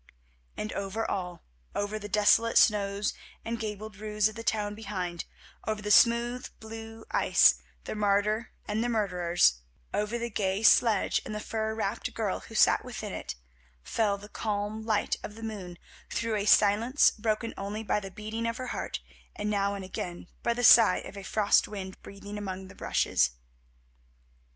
And over all, over the desolate snows and gabled roofs of the town behind; over the smooth blue ice, the martyr and the murderers; over the gay sledge and the fur wrapped girl who sat within it, fell the calm light of the moon through a silence broken only by the beating of her heart, and now and again by the sigh of a frost wind breathing among the rushes.